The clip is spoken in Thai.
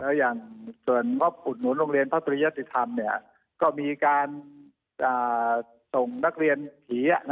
แล้วอย่างส่วนงบอุดหนุนโรงเรียนพระปริยติธรรมก็มีการส่งนักเรียนผี